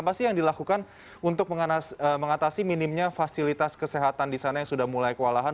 apa sih yang dilakukan untuk mengatasi minimnya fasilitas kesehatan di sana yang sudah mulai kewalahan